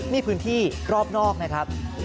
นี่พื้นที่รอบนอกนะครับ